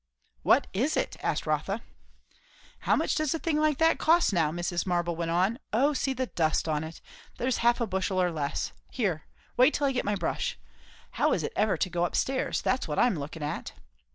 "What is it?" asked Rotha. "How much does a thing like that cost, now?" Mrs. Marble went on. "Oh see the dust on it! There's a half bushel or less. Here wait till I get my brush. How is it ever to go up stairs? that's what I'm lookin' at."